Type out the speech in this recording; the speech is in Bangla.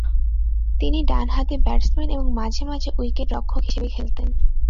তিনি ডানহাতি ব্যাটসম্যান এবং মাঝে মাঝে উইকেট-রক্ষক হিসেবে খেলতেন।